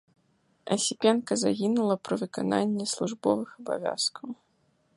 Асіпенка загінула пры выкананні службовых абавязкаў.